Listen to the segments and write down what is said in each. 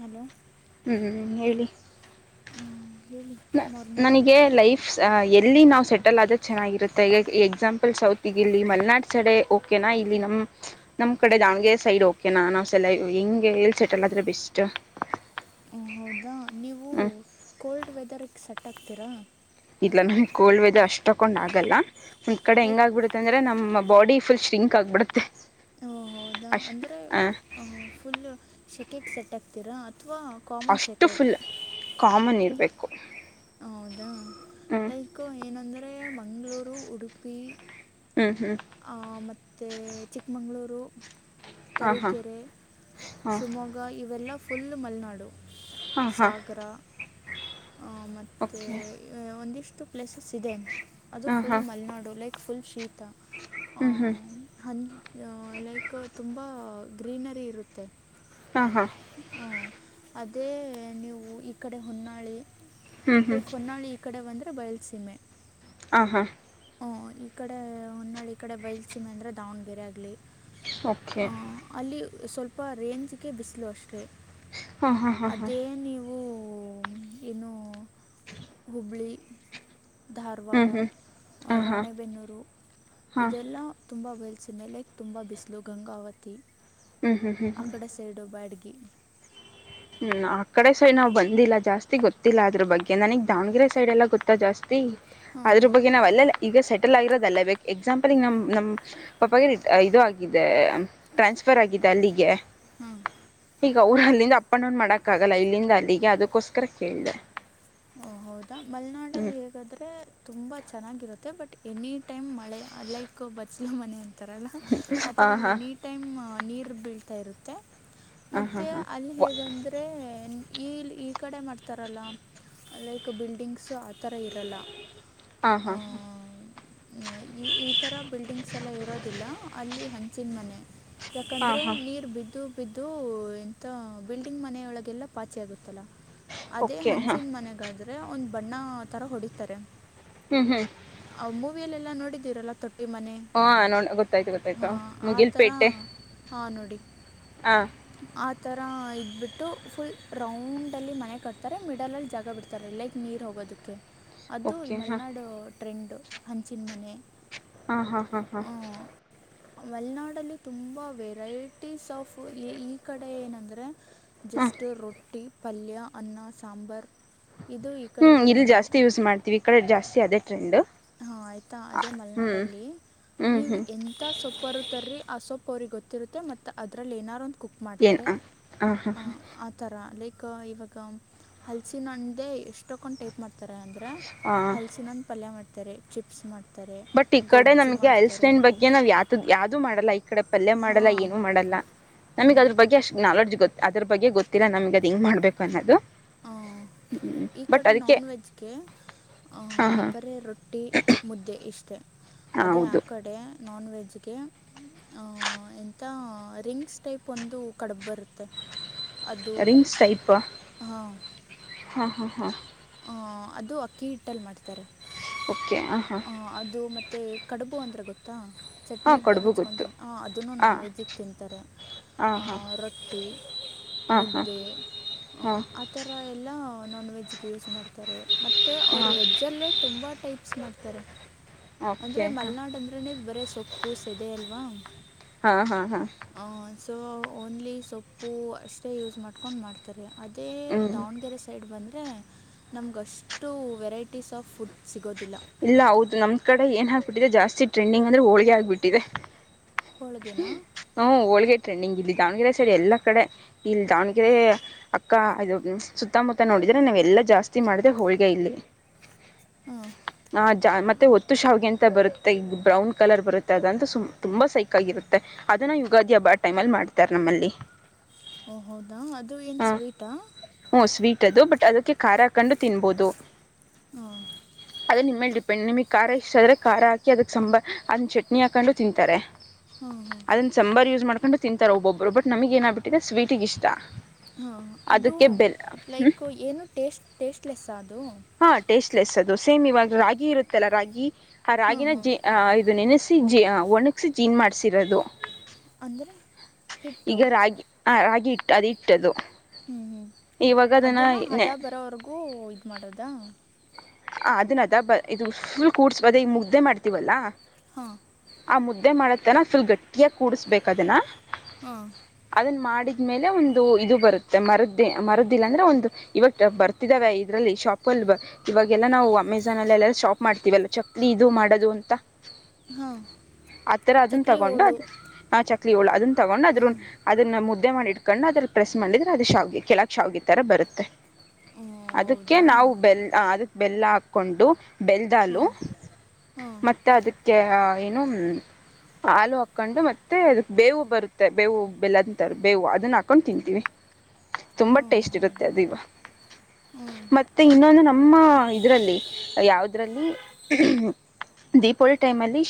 Hello ಹ್ಮ್ ಹೇಳಿ ಹೇಳಿ ಮಾರ್ನಿಂಗ್ ನನಗೆ ಲೈಫ್ಸ್ ಇಲ್ಲಿ ನಾವು ಸೆಟಲ್ ಆದ್ರೆ ಚೆನ್ನಾಗಿರುತ್ತೆ ಈಗ ಎಕ್ಸಾಂಪಲ್ ಸೌತ್ಗೆ ಇಲ್ಲಿ ಮಲ್ನಾಡ್ ಸಡೆ ಓಕೆನಾ ಇಲ್ಲಿ ನಮ್ ನಮ್ ಕಡೆ ದಾವಣಗೆರೆ ಸೈಡ್ ಓಕೆನಾ ನ್ ಸಲ ಹೆಂಗೆ ಎಲ್ ಸೆಟಲ್ ಆದ್ರೆ ಬೆಸ್ಟ್. ಹ ಹೌದಾ ನೀವು ಹ್ಞೂ ಕೋಲ್ಡ್ ವೆದರ್ಗೆ ಸೆಟ್ ಆಗ್ತೀರಾ. ನ ಕೋಲ್ಡ್ ವೆದರ್ ಅಷ್ಟ ತಕೊಂಡ್ ಆಗಲ್ಲ ಒಂದ ಕಡೆ ಹೆಂಗ ಲೈಕ್ ಆಗ್ಬಿಡೆ ಅಂದ್ರೆ ನಮ್ ಬಾಡಿ ಫುಲ್ ಶಿಂಕ್ ಆಗ್ಬಿತದೆ ಹ ಹೌದಾ ಅಂದ್ರೆ ಫುಲ್ ಶೆಕೆಗೆ ಸೆಟ್ ಆಕ್ತೀರಾ. ಅಷ್ಟು ಫುಲ್ ಕಾಮನ್ ಇರ್ಬೇಕು ಹೌದಾ. ಲೈಕ್ ಏನಂದ್ರೆ ಮಂಗಳೂರು ಉಡುಪಿ. ಹ್ಞೂ ಹ್ಞೂ ಆ ಮತ್ತೆ ಚಿಕ್ಕಮಂಗಳೂರು. ಹಾಂ ಹಾಂ ತರೀಕೆರೆ ಹಾಂ ಶಿವಮೊಗ್ಗ ಇವೆಲ್ಲ ಫುಲ್ ಮಲ್ನಾಡು. ಹಾಂ ಹಾಂ ಸಾಗರ ಆ ಮತ್ತೆ ಓಕೆ ಒಂದಿಷ್ಟ್ ಪ್ಲೇಸಸ್ ಇದೆ ಅದು ಹಾಂ ಫುಲ್ ಹಾಂ ಮಲ್ನಾಡು ಲೈಕ್ ಫುಲ್ ಶೀತ. ಆ ಹ್ಞೂ ಹ್ಞೂ ಆ ಲೈಕ್ ತುಂಬಾ ಗ್ರೀನರಿ ಇರುತ್ತೆ. ಹಾಂ ಹಾಂ ಹಾ ಅದೇ ನೀವು ಈ ಕಡೆ ಹೊನ್ನಾಳಿ ಹ್ಞೂ ಹ್ಞೂ ಲೈಕ್ ಹೊನ್ನಾಳಿ ಈ ಕಡೆ ಬಂದ್ರೆ ಬಯಲ್ಸೀಮೆ. ಹಾ ಹಾ. ಹೂಂ ಈ ಕಡೆ ಹೊನ್ನಾಳಿ ಕಡೆ ಬೈಲ್ಸೀಮೆ ಅಂದರೆ ದಾವಣಗೆರೆ ಆಗಲಿ. ಓಕೆ. ಅಲ್ಲಿ ಸ್ವಲ್ಪ ರೇಂಜಿಗೆ ಬಿಸಿಲು ಅಷ್ಟೇ ಹಾಂ ಹಾಂ ಹಾಂ ಹಾಂ ಅದೆ ನೀವು. ಹೂಂ ಇನ್ನು ಹುಬ್ಳಿ ಹ್ಞೂ ಧಾರವಾಡ ಹ್ಞೂ ಹಾಂ ಹಾಂ ರಾಣೆಬೆನ್ನೂರು ಹಾಂ ಇದೆಲ್ಲ ತುಂಬಾ ಬಯಲ್ಸಿಮೆ ಲೈಕ್ ತುಂಬಾ ಬಿಸಿಲು ಗಂಗಾವತಿ ಹ್ಞೂ ಹ್ಞೂ ಹ್ಞೂ ಆ ಹ್ಞೂ ಕಡೆ ಸೈಡ್ ಬ್ಯಾಡ್ಗೆ. ಈ ಹ್ಮ್ ಆ ಕಡೆ ಸೈಡ್ ನಾವ್ ಬಂದಿಲ್ಲ ಜಾಸ್ತಿ ಗೊತ್ತಿಲ್ಲ ಅದ್ರ್ ಬಗ್ಗೆ ನನಗ್ ದಾವಣಗೆರೆ ಸೈಡ್ ಎಲ್ಲ ಗೊತ್ತಾ ಜಾಸ್ತಿ. ಹಾಂ ಅದ್ರ್ ಹಾಂ ಬಗ್ಗೆ ನಾವ್ ಅಲ್ಲಲ್ಲೇ ಈಗ ಸೆಟಲ್ ಆಗಿರೋದಲ್ಲೇ ಎಕ್ಸಾಂಪಲ್ ಈಗ್ ನಮ್ ನಮ್ಮ ಪಪ್ಪಾಗೆ ಇದು ಆಗಿದೆ ಟ್ರಾನ್ಸ್ ಫರ್ ಆಗಿದೆ ಅಲ್ಲಿಗೆ. ಹ್ಮ್. ಈಗ ಅವರು ಅಲ್ಲಿಂದ ಅಪ್ ಅಂಡ್ ಡೌನ್ ಮಾಡಕ್ ಆಗಲ್ಲ ಇಲ್ಲಿಂದ ಅಲ್ಲಿಗೆ ಅದಕ್ಕೋಸ್ಕರ ಕೇಳ್ದೆ. ಓ ಹೌದಾ ಮಲ್ನಾಡಲ್ಲಿ ಹೇಗಾದ್ರೆ ತುಂಬ ಚೆನ್ನಾಗಿರುತ್ತೆ ಬಟ್ ಎನಿ ಟೈಮ್ ಮಳೆ ಲೈಕ್ ಬಚ್ಚಲು ಮನೆ. ತರಲ್ಲ ಹಾಂ ಆಥರ ಎನಿ ಹಾಂ ಟೈಮ್ ನೀರು ಬೀಳ್ತಾ ಇರುತ್ತೆ. ಹಾಂ ಮತ್ತೆ ಹಾಂ ಅಲ್ಲ್ ಹೇಗಂದ್ರೆ ಈಲ್ ಈ ಕಡೆ ಮಾಡ್ತಾರಲ್ಲ. ಲೈಕ್ ಬಿಲ್ಡಿಂಗ್ಸ್ ಆಥರ ಇರಲ್ಲ. ಹಾ ಹಾ. ಅ ಈ ಈ ತರ ಬಿಲ್ಡಿಂಗ್ಸ್ ಎಲ್ಲ ಇರೋದಿಲ್ಲ ಅಲ್ಲಿ ಹಂಚಿನ್ ಮನೆ. ಹಾಂ ಯಾಕಂದ್ರೆ ಹಾಂ ನೀರ್ ಬಿದ್ದು ಬಿದ್ದು ಎಂತ ಬಿಲ್ಡಿಂಗ್ ಮನೆಯೊಳಗೆಲ್ಲಾ ಪಾಚೆ ಆಗುತ್ ತಲ ಅದೇ ಓಕೆ ಹಾಂ ಹಂಚಿನ್ ಮನೆಗಾದ್ರೆ ಒಂದ್ ಬಣ್ಣ ತರ ಹೊಡಿತಾರೆ. ಹ್ಮ್ ಹ್ಮ್. ಪಿಯಲ್ಲೆಲ್ಲ ನೋಡಿದ್ದೀರಲ್ಲ ತೊಟ್ ಹಾ [unintelligible] ಗೊತ್ತಾಯ್ತು ಗೊತ್ತಾಯ್ತು ಆ ಥರ ಮುಗಿಲ್ಪೇಟೆ. ಹಾಂ ಹಾ. ತರ ಇದ್ಬಿಟ್ಟು ಫುಲ್ ರೌಂಡ್ ಅಲ್ಲಿ ಮನೆ ಕಟ್ತಾರೆ ಮಿಡ್ ಡಲಲ್ ಜಾಗ ಬಿಡ್ತಾರೆ ಲೈಕ್ ನೀರು ಹೋಗೋದಕ್ಕೆ ಅದು ಓಕೆ ಹಾ ಮಲ್ನಾಡು ಟ್ರೆಂಡು ಹಂಚಿನ್ ಮನೆ. ಹಾ ಹಾ ಹಾ ಹಾ. ಮಲ್ನಾಡಲ್ಲಿ ತುಂಬ ವೆರೈಟೀಸ್ ಆಫ್ ಏ ಈ ಕಡೆ ಏನಂದ್ರೆ. ಹಾ ಜಸ್ಟ್ ರೊಟ್ಟಿ ಪಲ್ಯ ಅನ್ನ ಸಾಂಬಾರ್. ಹ್ಮ್ ಇಲ್ಲಿ ಜಾಸ್ತಿ ಯೂಸ್ ಮಾಡ್ತೀವಿ ಈ ಕಡೆ ಜಾಸ್ತಿ ಅದೇ ಟ್ರೆಂಡ್. ಹಾ ಆಯ್ತಾ ಅದೇ ಮಲ್ನಾಡಲ್ಲಿ ಹ್ಞೂ ನೀವ್ ಹ್ಞೂ ಎಂತ ಸೊಪ್ಪಾರು ತರ್ರಿ ಆ ಸೊಪ್ಪ್ ಅವ್ರಿಗೆ ಗೊತ್ತಿರುತ್ತೆ ಮತ್ತು ಅದರಲ್ಲಿ ಏನಾದ್ರು ಒಂದು ಕುಕ್ ಏನು ಮಾಡ್ತಾರೆ ಹಾಂ ಹಾಂ ಹಾಂ ಹಾ ಹಾಂ ಆ ಥರ ಲೈಕ್ ಇವಾಗ ಹಲ್ಸಿನ್ ಹಣ್ಣ್ದೇ ಎಷ್ಟಕೊಂಡ್ ಟೈಪ್ ಮಾಡ್ತ್ ತರ ಅಂದ್ರ ಹಾಂ ಹಲ್ಸಿನಣ್ಣ್ ಪಲ್ಯ ಮಾಡ್ತಾರೆ ಚಿಪ್ಸ್ ಮಾಡ್ ಬಟ್ ಈ ಕಡೆ ನಮ್ಗೆ ಹಲ್ಸಿನಣ್ಣ್ ಬಗ್ಗೆ ನಾವ್ ಯಾತದ್ ಯಾವ್ದೂ ಮಾಡಲ್ಲ ಈ ಕಡೆ ಪಲ್ಯ ಮಾಡಲ್ಲ ಹಾಂ ಏನು ಮಾಡಲ್ಲ. ನಮಗ್ ಅದ್ರ ಬಗ್ಗೆ ಹ್ಞೂ ಅಷ್ಟ್ ನಾಲೆಡ್ಜ್ ಗೊತ್ ಅದ್ರ ಬಗ್ಗೆ ಗೊತ್ತಿಲ್ಲ ನಮಗ್ ಅದು ಹೆಂಗ್ ಮಾಡ್ಬೇಕು ಅನ್ನೋದು. ಈ ಬಟ್ ಕಡೆ ಅದಕ್ಕೆ ನಾನ್ ವೆಜ್ಗೆ ಹಾಂ ಆಹ ಹಾಂ ಬರೇ ರೊಟ್ಟಿ ಮುದ್ದೆ ಇಷ್ಟೇ ಹಾಂ ಅದೇ ಆ ಹೌದು ಕಡೆ ನಾನ್ ವೆಜ್ಗೆ ಆ ಎಂತ ರಿಂಗ್ಸ್ ಟೈಪ್ ಒಂದು ಕಡಬ್ಬರುತ್ತೆ ಅದ ಸ್ಟೈಪ್ಾ ಹಾ ಹಾ ಹಾ ಹ ಅದು ಅಕ್ಕಿ ಹಿಟ್ಟಲ್ಲಿ ಮಾಡ್ತಾರೆ ಓಕೆ ಹಾಂ ಹಾಂ ಹ ಅದು ಮತ್ತೆ ಕಡುಬು ಅಂದ್ರೆ ಗೊತ್ತಾ ಹಾಂ ಚಟ್ನಿಗೆ ಕಡುಬು ಹಚ್ಕೊಂಡು ಗೊತ್ತು ತಿನ್ಿ ಅದೂ ನಾನ್ ಹಾಂ ವೆಜ್ಜಿಗೆ ತಿಂತಾರೆ ಹಾಂ ರೊಟ್ಟಿ ಹಾಂ ಹಾಂ ಮುದ್ದೆ ಹಾಂ ಆಥರ ಎಲ್ಲ ನಾನ್ ವೆಜ್ಗೆ ಯೂಸ್ ಮಾಡ್ತಾರೆ ಮತ್ತು ಹಾಂ ಅವರು ಹಾಂ ವೆಜ್ಜಲ್ಲೇ ತುಂಬ ಟೈಪ್ಸ್ ಮಾಡ್ತಾರೆ ಅಂದ್ರೆ ಓಕೆ ಹಾಂ ಮಲೆನಾಡ್ ಅಂದ್ರನದು ಬರೀ ಸೊಪ್ಪು ಸೆದೆ ಅಲ್ವಾ ಹಾ ಹಾ ಹಾ ಸೊ ಓನ್ಲಿ ಸೊಪ್ಪು ಅಷ್ಟೇ ಯೂಸ್ ಮಾಡ್ಕೊಂಡು ಮಾಡ್ತಾರೆ ಅದೇ ಹ್ಞೂ ದಾವಣಗೆರೆ ಸೈಡ್ ಬಂದು ಅರೆ ನಮ್ಗಷ್ಟು ವೆರೈಟೀಸ್ ಆಫ್ ಫುಡ್ ಸಿಗೋದಿಲ್ಲ ಇಲ್ಲ ಹೌದು ನಮ್ಮ ಕಡೆ ಏನಕ್ಬಿಟ್ಟಿದೆ ಜಾಸ್ತಿ ಟ್ರೆಂಡಿಂಗ್ ಅಂದ್ರರೆ ಹೋಳ್ಗೆ ಆಗ್ಿಬಿಟ್ಟಿದೆ ಹೋಳಿಗೆನಾ ಹ ಹೋಳ್ಗ ಇಟ್ರೇಣ ನಿಂಗ ಇಲ್ಲಿ ದಾವಣಗೆರೆ ಸೈಡ್ ಎಲ್ಲಾ ಕಡೆ ಇಲ್ಲಿ ದಾವಣಗೆರೆ ಅಕ್ಕ ಇದು ಸುತ್ತಮುತ್ತ ನೋಡಿದ್ರೆ ನಾವ ಎಲ್ಲಾ ಜಾಸ್ತಿ ಮಾಡಿದ್ರೆ ಹೋಳ್ಗೆ ಇಲ್ಲಿ ಹಾ ಜಾ ಮತ್ತುತ್ತೆ ಹೊತ್ತು ಶಾವಿಗೆ ಅಂತ ಬರುತ್ತೆ ಈ ಬ್ರೌನ್ ಕಲರ್ ಬರುತ್ತೆ ಅದಂತೂ ಸು್ ತುಂಬ ಸೈಕಾಗಿರುತ್ತೆ ಅದನ್ನ ಯುಗಾದಿ ಹಬ್ಬಾ ಟೈಮ್ ಅಲ್ಲಿ ಮಾಡ್ತಾರೆ ನಮ್ಮಲ್ಲಿ ಓ ಹೌದಾ ಅದು ಏನ್ ಹಾಂ ಸ್ವೀಟಾ ಹ್ಞೂ ಸ್ವೀಟ್ ಬಟ್ ಅದಕ್ಕೆ ಖಾರ ಹಾಕೊಂಡು ತಿನ್ಬಹದು ಹ ಅ ನಿಮ್ಮೇಲೆ ಡಿಪೆಂಡ್ ನಿಮಗೆ ಖಾರ ಇಷ್ಟ ಆದ್ರ ಖಾರ ಹಾಕಿದಕ್ಕೆ ಸಾಂಬಾರಾರ್ ಅದನ್ನ ಚಟ್ನಿ ಹಾಕೊಂಡು ತಿಂತಾರೆ ಹಾಂ ಹಾಂ ಅದನ್ನ ಸಾಂಬಾರ್ ಯೂಸ್ ಮಾಡ್ಕೊಂಡು ತಿಂತಾರೆ ಒಬ್ಬೊಬ್ಬರು ಬಟ್ ನಮಗ ಏನಾಗಬಿಟ್ಟಿದೆ ಸ್ವೀಟಗ ಇಷ್ಟ ಹಾ ಅದು ಅದಕ್ಕೆ ಬೆಲ್ ಹ್ಞೂ ಲೈಕ್ ಏನು ಸ್ ಟೇಸ್ಟ್ಲೆಸ್ ಆದ ಹಾ ಟೇಸ್ಟ್ಲೆಸ್ ಅದು ಸೇಮ್ ಇವಾಗ ರಾಗಿ ಇರುತ್ತೆಲ್ಲ ರಾಗಿ ಆ ಹಾಂ ರಾಗಿಿನ ಹಾಂ ಜ ಇದು ನೆನೆ ಜ ಒಣಗಸಿ ಜೀನ್ ಮಾಡ್ಸಿರೋದು ಅಂದ್ರೆ ಹಿಟ್ಟು ಹಾ ರಾಗಿ ಇಟ್ಟು ಅದು ಇಟ್ಟದು ಹ್ಮ್ ಹ್ಮ್ ಇವಾಗ ಅದನ್ನ ನೆ ಹದ ಬರೋವರ್ಗೂ ಇ ಮಾಡೋದಾ ಹ ಅದನ್ನದ ಬ ಇದು ಫುಲ್ ಕೂಡ್ಸ್ ಅದೇ ಈಗ ಮುದ್ದೆ ಮಾಡ್ತೀವಲ್ಲಾ ಹಾ ಆ ಮುದ್ದೆ ಮಾಡತನ ಫುಲ್ ಗಟ್ಟಿಯಾಗಿ ಕೂಡ್ಬೇಕ ಅದನ ಹಾ ಅದನ್ನ ಮಾಡಿದ ಮೇಲೆ ಒಂದು ಇದು ಬರುತ್ತೆ ಮರದ ಮರುದಿಲ್ಲ ಅಂದ್ರೆ ಒಂದು ಇವಾಗ ಬರ್ತಿದಾವೆ ಇದರಲ್ಲಿ ಶಾಪ್ ಅಲ್ಲಿ ಇವಾಗೆಲ್ಲಾ ನಾವು ಅಮೆಜಾನ್ ಅಲ್ಲಿ ಶಾಪ್ ಮಾಡ್ತೀವಲ್ಲ ಚಕ್ರ ಇದು ಮಾಡೋದು ಅಂತ ಹಾ ಆತರ ಅದನ್ನ ತಗೊಂಡು ಅದ್ ನಾ ಚಕ್ರ ಳ ಅದನ್ ತಗೊಂಡ್ ಅದ್ರ ಹ್ಞೂ ಅದನ್ನ ಮುದ್ದ ೇ ಮಾಡಿಟ್ಕೊಂಡು ಅದ್ರ ಪ್ರೆಸ್ ಮಾಡಿದ್ರೆ ಅದು ಶಾವಿಗೆ ಕೆಲ ಶಾವಿಗೆ ತರ ಬರುತ್ತೆ ಅದಕ್ಕೆ ಹೌದಾ ನಾವು ಬೆಲ್ಲ ಅದಕ್ ಬೆಲ್ಲ ಹಾಕೊಂಡು ಬೆಲ್ದಾಲು ಹಾಂ ಹಾಂ ಮ ಅದಕ್ಕೆ ಏನು ಹಾಲು ಹಾಕೊಂಡು ಮತ್ತೆ ಅ ಬೇವು ಬರುತ್ತೆ ಬೇವು ಬೆಲ್ಲ ಅಂತಾರ ಬೇವು ಅದನ್ನ ಹಾಕೊಂಡು ತಿಂತೀವಿ ತುಂಬಾ ಹಾಂ ಟೇಸ್ಟ್ ಇರುತ್ತೆ ಹೌದಾ ಅ ದೀವ ಹ್ಞೂ ಮತ್ತೆ ಇನ್ನೊಂದು ನಮ್ಮ ಇದ್ರಲ್ಲಿ ಯಾವದ್ರಲ್ಲಿ ದೀಪಾವಳಿ ಟೈಮ್ ಅಲ್ಲಿ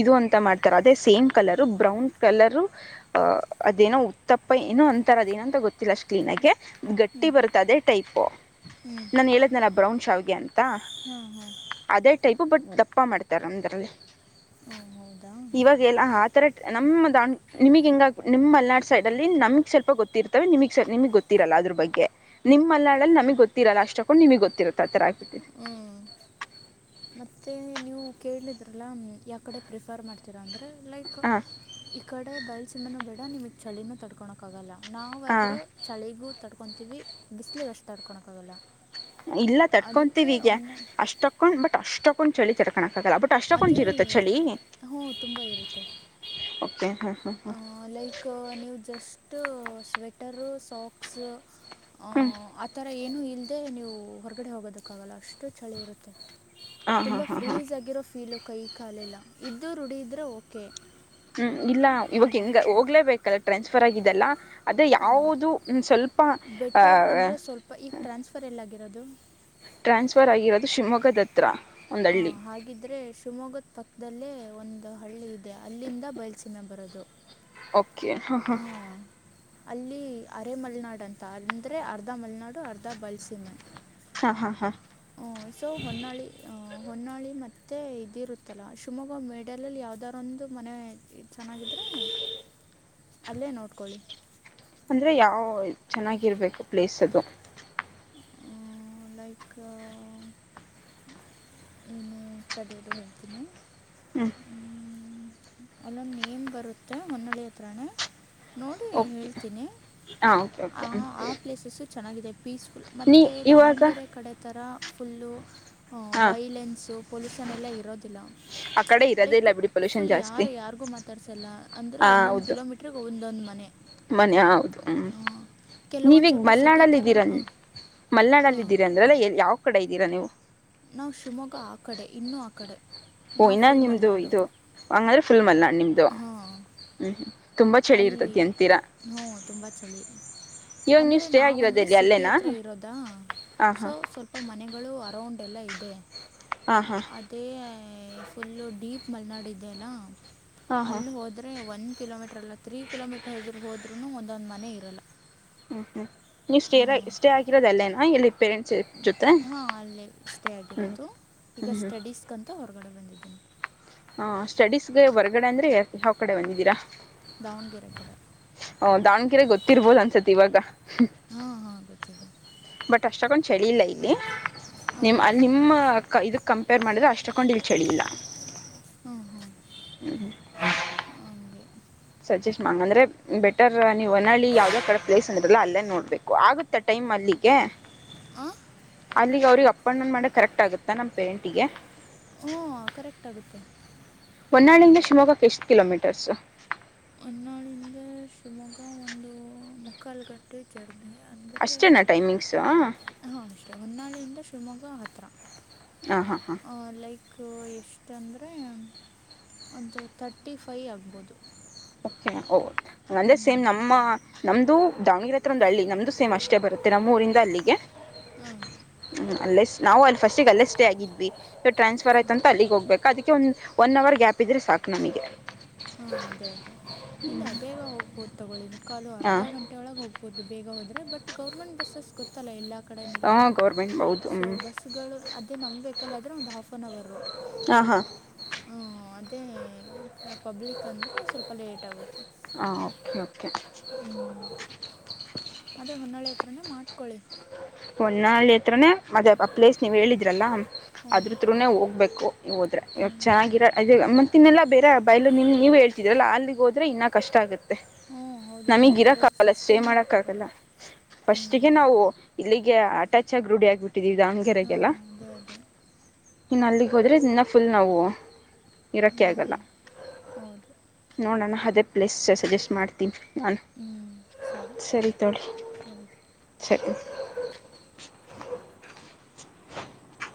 ಇದು ಅಂತ ಮಾಡ್ತಾರೆ ಅದೇ ಸೇಮ್ ಕಲರು ಬ್ರೌನ್ ಕಲರು ಅದೇನ ಉತ್ತಪ್ಪ ಏನೋ ಅಂತಾರ ಅದೇಏನ ಅಂತ ಗೊತ್ತಿಲ್ಲ ಅಷ್ಟ ಕ್ಲೀ ಆೆ ಹ್ಞೂ ಗಟ್ಟಿ ಬರುತ್ತದೇ ಟೈಪು ಹ್ಞೂ ನಾನು ಹೇಳಿದ್ನಲ್ಲ ಬ್ರೌನ್ ಶಾವ್ಗೆ ಅಂತ ಅತ್ತಾ ಹಾಂ ಹಾಂ ಅದೇ ಟೈಪು ಬಟ್ ದಪ್ಪ ಮಾಡ್ತಾರೆ ನಮ್ಮದ್ರಲ್ಲಿ ಹ್ಞೂ ಹೌದಾ ಇವಾಗ ಎಲ್ಲ ಆಥರ ನಮ್ಮ ದಾಂಡ ನಿಮಗ್ ಹಿಂಗ ನಿಮ್ ಮಲ್ನಾಡ್ ಸೈಡ್ ಅಲ್ಲಿ ನಮ್ಗ್ ಸ್ವಲ್ಪ ಗೊತ್ತಿರ್ತವೆ ನಿಮಗ್ ನಿಮಗ್ ಗೊತ್ತಿರಲ್ಲ ಅದ್ರ ಬಗ್ಗೆ ನಿಮ್ಮಲ್ಾಡಲ್ಲಿ ನಮ ಗೊತ್ತಿರಲ್ಲ ಅಷ್ಟ ತಕೊಂಡು ನಿಮಗ್ ಗೊತ್ತಿರತ್ತೆ ಆ ತರ ಆಗ್ಬಿದೆ ಮತ್ತೆ ನೀವು ಕೇಳಿದ್ರಲ್ಲ ಯಾವ ಕಡೆ ಪ್ರಿಫರ್ ಮಾಡ್ತೀರಾ ಅಂದ ಆದ ಲೈಕ್ ಹಾಂ ಈ ಕಡೆ ಬಯಲ್ ಸುಮ್ಮನ ಬೇಡ ನಿಮಗೆ ಚಳಿನೂ ತಡ್ಕೊಳಕ್ಕ ಆಾಗಲ್ಲ ನಾವವು ಹಾಂ ಆದರೆ ಚಳಿಗೂ ತಡ್ಕೊತೀವಿ ಬಿಸಿ್ಲಿಗೆ ಅಷ್ಟು ತಡ್ಕೊಕ್ಕಾಗಲ್ಲ ಇಲ್ಲ ತರ್ಕೊಂತೀವಿ ಈಗ ಹೊನ್ನ ಅಷ್ಟೊಕ್ಕೊಂಡ್ ಬಟ್ ಅಷ್ಟೊಕ್ಕೊಂಡ್ ಚಳಿ ತರ್ಕೋಣಕ್ ಅದೇ ಹ್ಞ ತುಂಬ ಇರುತ್ತೆ ಓಕೆ ಹಾಂ ಹಾಂ ಆ ಲೈಕ್ ನೀವು ಜಸ್ಟ್ ಸ್ವೆಟರು ಸಾಕ್ಸ್ ಹ ಹಾಂ ಹ್ಞೂ ಆತರ ಏನು ಇಲ್ ೇ ನೀವು ಹೊರಗಡೆ ಹೋಗೋದಕ್ಕ ಆಗಲ್ಲ ಅಷ್ಟು ಚಳಿ ಇರುತ್ತೆ ಹಾಂ ಹಾಂ ತುಂಬಾ ಹಾಂ ಹಾಂ ಫ್ರೀಸ್ ಆಗಿರೋ ಫೀಲ್ ಕೈ ಕಾಲಿಲ್ಲ ಇದ್ದದು ರುಢಿದ್ರೆ ಓಕೆ ಹ್ಮ್ ಇಲ್ಲ ಇವಾಗ ಹೆಂಗ ಹೋಗ್ಲೇಬೇಕಲ್ಲ ಟ್ರಾನ್ಸ್ಫರ್ ಆಗಿದೆಲ್ಲ ಅದು ಯಾವುದು ಸ್ವಲ್ಪ ಗದು ಟ್ರಾನ್ಸ್ಫರ್ ಆಗಿರೋದು ಶಿವಮೊಗ್ಗದತ್ರ ಹ ಹಾಗಿದ್ರೆ ಶಿವಮೊಗ್ಗದ ಪಕ್ಕದಲ್ಲೇ ಒಂದು ಹಳ್ಳಿ ಇದೆ ಅಲ್ಲಿಂದ ಬಯಲ್ಸೀಮೆ ಬರೋದು ಹ ಹಾ ಅಲ್ಲಿ ಅರೆ ಮಲ್ನಾಡು ಅಂತ ಅಂದ್ರೆ ಅರ್ಧ ಮಲ್ನಾಡು ಅರ್ಧ ಬಲ್ಸೀಮ ಹಾ ಹಾ ಹಾ ಹ ಸೊ ಹೊನ್ನಾಳಿ ಅಹ ಹೊನ್ನಾಳಿ ಮತ್ತೆ ಮೆ ಇದಿರುತ್ತಲ್ಲ ಶಿವಮೊಗ್ಗ ಮೇಡಲಲ್ಲಿ ಯಾವ್ದಾದಾರೊಂದು ಮನೆ ಚೆನ್ನಾಗಿದ್ರೆ ಅಲ್ಲೇ ನೋಟ್ಕೊಳ್ಳಿ ಅಂದರೆ ಯಾವ ಚೆನ್ನಾಗಿರ್ಬೇಕು ಪ್ಲೇಸ್ ಅದು ಲೈಕ್ ಏನು ಸಡೇಲಿ ಹೇಳ್ತೀನಿ ಹ್ಮ್ ಅಲ್ಲೊಂದು ನೇಮ್ ಬರುತ್ತೆ ಹೊನ್ನಳಿ ಹತ್ರಿನೇ ನೋಡಿ ಓಕೆ ಹೇಳ್ತೀನಿ ಹಾ ಓಕೆ ಓಕೆ ಆ ಪ್ಲೇಸಸ್ಸು ಚೆನ್ನಾಗಿದೆ ಪೀಸ್ಫುಲ್ ನೀ ಮತ್ತುತ್ತ ಇವಾಗ ದಾವಣಗೆರೆ ಕಡೆ ಥರ ಫುಲ್ಲು ಹಾ ವೈಲೆನ್ಸು ಪೊಲ್ಯೂಷನ್ ಎಲ್ಲ ಇರೋದಿಲ್ಲ ಆ ಕಡೆ ಇರೋದೇ ಲೈಕ್ ಇಲ್ಲ ಬಿಡಿ ಪೊಲ್ಯೂಷನ್ ಫುಲ್ ಯಾರ ಜಾಸ್ತಿ ಯಾರಿಗು ಮಾತಾಡ್ಸಲ್ಲ ಅಂದ್ರೆ ಹ ಒಂದೊಂದ್ ಹೌದು ಕಿಲೋಮೀಟರ್ ಒಂದೊಂದ್ ಮನೆ ಮನೆ ಹೌದು ಹ್ಮ ಕೆಲವೊಂದು ನೀವಗ್ ಸ್ವಲ್ಪ ಸಿಟಿ ಮಲ್ನಾಡಲ್ಲ ಥರ ಇದ್ದೀರ ಹಾಂ ಮಲ್ನಾ ಲ್ಲ ಇದೀರಿ ಅಂದ್ರ ಅಲ್ಲ ಯಾವ್ ಕಡೆ ಇದ್ದೀರಾ ನೀವು ನಾವು ಶಿವಮೊಗ್ಗ ಆ ಕಡೆ ಇನ್ನೂ ಆ ಕಡೆ ಓ ನಾವು ಇನ್ನ ಫುಲ್ ನಿಮ್ದು ಮಲ್ನಾಡು ಇದು ಹಂಗಂದ್ರೆ ಫುಲ್ ಮಲ್ನಾಡು ನಿಮ್ಮದು ಹ್ಮ್ ತುಂಬ ಚಳಿ ಇರ್ತತಿ ಅಂತ ಹ್ಮ ತುಂಬಾ ಚಳಿ ಇವಾಗ ನೀವು ಅಂದ್ರೆ ಸ್ಟೇ ನಾವವು ಅಂದ್ರೆ ಆಗಿರೋದೆಲ್ಲಿ ಸಿಟಿ ಅಲ್ಲೇನಾ ಹತ್ರ ಇರೋದ ಹಾ ಹಾ ಸೊ ಸ್ವಲ್ಪ ಮನೆಗಳು ಅರೌಂಡ್ ಎಲ್ಲ ಇದೆ ಹಾ ಹಾ ಅದೇ ಫುಲ್ಲ ಡೀಪ್ ಮಲೆನಾಡು ಇದೆಯ ಅಲ್ಲ ಹಾ ಹಾ ಅಲ್ಲಿ ಹೋದರೆ ಒಂದು ಕಿಲೋಮೀಟರ್ ಲ್ಲ ತ್ರೀ ಕಿಲೋಮೀಟರ್ ಹೋದ್ರನು ಒಂದೊಂದ ಮನೆ ಇರಲ್ಲ ಹ್ಮ್ ಹ್ಮ್ ನೀ ಸ್ಟೇ ಸ್ಟೇ ಆಗಿರೋದಲ್ಲೇನ ಎಲ್ಲಿ ಪೇರೆಂಟ್ಸ್ ಜೊತೆ ಹಾಂ ಅಲ್ಲೇ ಸ್ಟೇ ಹ್ಮ್ ಆಗಿರೋದು ಈಗ ಹ್ಮ್ ಹ್ಮ್ ಸ್ಟಡೀಸ್ಗಂತ ಹೊರಗಡೆ ಬಂದಿದ್ದೀನಿ ಹಾ ಸ್ಟಡೀಸ್ಗೆ ಹೊರ್ಗಡೆ ಅಂದ್ರೆ ಯಾವ ಕಡೆ ಬಂದಿದ್ದೀರಾ ದಾವಣಗೆರೆ ಕಡೆ ಹ ದಾವಣಗೆರಿ ಗೊತ್ತಿರ್ಬೋಲ್ ಅನ್ಸತಿ ಇವಾಗ ಹಾಂ ಹಾಂ ಗೊತ್ತಿದೆ ಬಟ್ ಅಷ್ಟಕ್ಕೊಂದು್ ಚಳಿ ಇಲ್ಲ ಇಲ್ಲಿ ಹ್ಞೂ ನಿಮ್ ಅಲ್ಲಿ ನಿಮ್ಮ ಇ ಕಂಪೇರ್ ಮಾಡಿದ್ರೆ ಅಷ್ಟೊಕ್ಕೊಂಡು ಇಲ್ಲಿ ಚಳಿ ಇಲ್ಲ ಹ್ಞೂ ಹ್ಞೂ ಹ್ಮ ಹಂಗೆ ಸಜೆಸ್ಟ್ ಮಾಡ ಅಂದ್ರೆ ಬೆಟರ್ ನೀವು ಹೊನಳ್ಳಿ ಯಾವದೇ ಕಡೆ ಪ್ಲೇಸ್ ಅಂದರಲ್ಲ ಅಲ್ಲೇ ನೋಡ್ಬೇಕು ಆಗುತ್ತ ಟೈಮ ಹ್ಮ್ ಅದಿಕ್ಕೆ ಆ ಅಲ್ಲಿಗೆ ಅವ್ರಿಗೆ ಅಪ್ ಅಂಡ್ ಡೌನ್ ಮಾಡ ಕರೆಕ್ಟ್ ಆಗುತ್ತಾ ನಮ್ಮ ಪೇರೆಂಟಿಗೆ ಹಾ ಕರೆಕ್ಟ್ ಆಗುತ್ತೆ ಹೊನ್ನಾಳಿಂದ ಶಿವಮೊಗ್ಗಕ್ಕೆ ಎಷ್ಟು ಕಿಲೋಮೀಟರ್ಸು ಹೊನ್ನಾಳಿಂದ ಶಿವಮೊಗ್ಗ ಒಂದು ಮುಕ್ಕಾಲುಗಟ್ಟೆ ಜರ್ನಿ ಅಂದರೆ ಅಷ್ಟೇನಾ ಟೈಮಿಂಗ್ಸು ಹಾಂ ಅಷ್ಟೇ ಹೊನ್ನಾಳಿಯಿಂದ ಶಿವಮೊಗ್ಗ ಹತ್ತಿರಾ ಹಾ ಹಾ ಹಾ ಎಷ್ಟಂದರೆ ಒಂದು ತಥರ್ಟಿ ಫೈ ಆಗ್ಬೋದು ಅಂದ್ರೆ ಹ್ಞೂ ಸೇಮ್ ನಮ್ಮ ನಮ್ದು. ದಾವಣಗೆರೆ ಹತ್ರ ಒಂದು ಹಳ್ಳಿ ನಮ್ದು ಸೇಮ್ ಅಷ್ಟೇ ಬರುತ್ತೆ ನಮ್ಮ ಊರಿಂದ ಅಲ್ಲಿಗೆ ಹಾಂ ಹ್ಮ ಅಲ್ಲ ನಾವು ಅಲ್ಲಿ ಫಸ್ಟಿಗೆ ಅಲ್ಲೇ ಸ್ಟೇ ಆಗಿದ್ವಿ ಟ್ರಾನ್ಸ್ಫರ್ ಹಾಂ ಆಯ್ತು ಅಂತ ಅಲ್ಲಿಗ್ ಹೋಗ್ಬೇಕು ಅದಕ್ಕೆ ಒಂದು ಒನ್ ಅವರ್ ಗ್ಯಾಪ್ ಇದ್ರೆ ಸಾಕು ನಮಗೆ ಹಾಂ ಅದೇ ಅದೇ ಇಲ್ಲ ಬೇಗ ಹೋಗ್ಬೋದು ತೊಗೊಳ್ಳಿ ಮುಕ್ಕಾಲು ಅರ್ಧ ಹಾಂ ಗಂಟೆ ಒಳಗೆ ಹೋಗ್ಬೋದು ಆಗಬಹುದು ಬೇಗ ಹೋದ್ರೆ ಬಟ್ ಗೌರ್ಮೆಂಟ್ ಬಸ್ಸಸ್ ಗೊತ್ತಲ್ಲ ಎಲ್ಲ ಕಡೆ ಹಾಂ ನಿಲ್ಲೋದು ಗೌರ್ಮೆಂಟ್ ಹೌದು ಸೊ ಹ್ಞೂ ಬಸ್ಗಳು ಅದೇ ನಮ್ಮ ವೆಹಿಕಲ್ ಆದ್ರೆ ಒಂದು ಹಾಫ್ ಆನ್ ಹೌರ ಹಾಂ ಹಾಂ ಹ್ಮ ಅದೇ ಪಬ್ಲಿಕ್ ಅಂದರೆ ಸ್ವಲ್ಪ ಲೇಟ ಆಗುತ್ತೆ ಹಾಂ ಓಕೆ ಓಕೆ ಹ್ಞ [inaudible] ಅದೇ ಹೊನ್ನಾಳೆ ಹತ್ರನೇ ಮಟ್ಕೊಳ್ಳಿ ಹೊನ್ನಾಳಿ ಹತ್ರನೇ ಅದೇ ಆ ಪ್ಲೇಸ್ ನೀವ್ ಹೇಳಿದ್ರಲ್ಲ ಹ್ಞೂ ಅದ್ರು ತೃನೇ ಹೋಗ್ಬೇಕು ಹೋದ್ರೆ ಇವ ಹ್ಞೂ ಚೆನ್ನಾಗಿರ ತಿನ್ನೆಲ್ಲ ಬೇರೆ ಬಯಲು ನಿಮ ನೀವ ಹೇಳ್ತಿದ್ರಲ್ಲ ಅಲ್ಲಿಗೆೋದ್ರೆ ಇನ್ನೂ ಕಷ್ಟ ಆಗುತ್ತೆ ಹ್ಞೂ ಹೌದು ನಮಗೆ ಇರಕ್ಕೆ ನಿಮಗಿರೋದು ಆಗಲ್ಲ ಸೇ ಸಸ್ಟೈನ್ ಮಾಡಕ್ ಮಾಡೋಕ್ಕಾಗಲ್ಲ ಆಗಲ್ಲ ಹ್ಞೂ ಫಸ್ಟಿಗೆ ನಾವು ಇಲ್ಲಿಗೆ ಅಟಾಚ್ ಹಾಗಿ ರೂಢಿ ಆಗ್ಬಿಟ್ಟು ದಾವಣ್ಗೆರೆಗೆಲ್ಲ ಹಾಂ ಅದೇ ಅದೇ ಇನ್ನು ಅಲ್ಲಿಗೆ ಹೋದ್ರೆ ಇದನ್ನ ಫುಲ್ ನಾವು ಇರೋಕೆ ಹ್ಞೂ ಆಗಲ್ಲ ಹೌದು ನೋಡೋಣ ಅದೇ ಪ್ಲೇಸ್ ಸಜೆಸ್ಟ್ ಮಾಡ್ತೀನಿ ನನ್ ಹ್ಞೂ ಸರಿ ತಕೊ ಸರಿ ಸರಿ [inaudible]